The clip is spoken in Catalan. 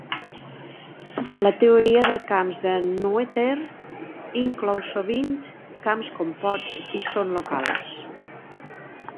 La teoria de camps de Noether inclou sovint camps composts i són locals.